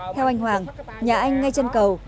theo anh hoàng nhà anh ngay chân cầu